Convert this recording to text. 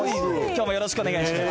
よろしくお願いします。